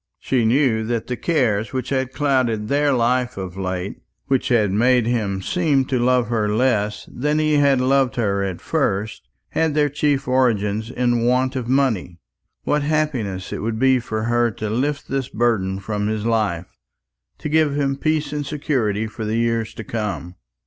She knew that the cares which had clouded their life of late, which had made him seem to love her less than he had loved her at first, had their chief origin in want of money. What happiness it would be for her to lift this burden from his life, to give him peace and security for the years to come!